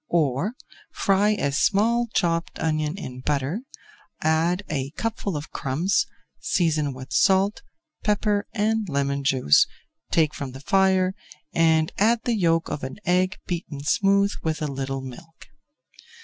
Or, fry a small chopped onion in butter, add a cupful of crumbs, season with salt, pepper and lemon juice, take from the fire and add the yolk of an egg beaten smooth with a little milk.